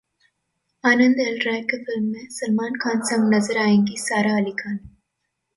आनंद L Rai की film में सलमान खान संग नजर आएंगी सारा अली खान?